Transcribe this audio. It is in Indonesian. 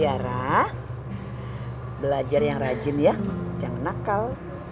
sejarah belajar yang rajin ya jangan nakal